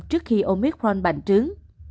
trước khi omicron bành trướng